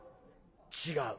「違う。